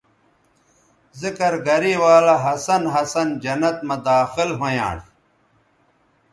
ذکر گرے ولہ ہسن ہسن جنت مہ داخل ھویانݜ